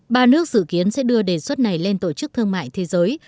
ba nước dự kiến sẽ đưa đề xuất này lên tổ chức thương mại thế giới